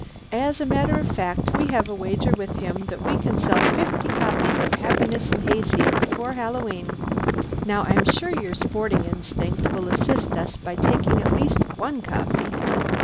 As a matter of fact, we have a wager with him that we can sell fifty copies of 'Happiness and Hayseed' before Hallowe'en. Now I'm sure your sporting instinct will assist us by taking at least one copy.